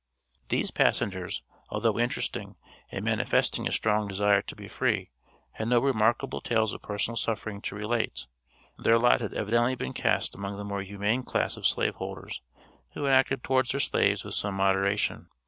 These passengers, although interesting, and manifesting a strong desire to be free, had no remarkable tales of personal suffering to relate; their lot had evidently been cast among the more humane class of slave holders, who had acted towards their slaves with some moderation.